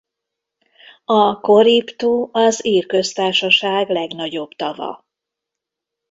A Corrib-tó az Ír Köztársaság legnagyobb tava.